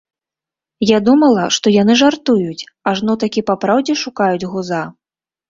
Я думала, што яны жартуюць, ажно такі папраўдзе шукаюць гуза.